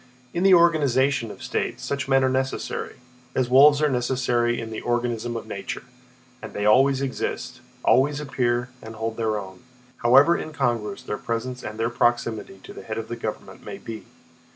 In the organism of states such men are necessary, as wolves are necessary in the organism of nature, and they always exist, always appear and hold their own, however incongruous their presence and their proximity to the head of the government may be.